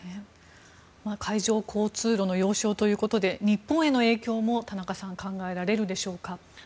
海上交通路の要衝ということで田中さん、日本への影響も考えられるでしょうか。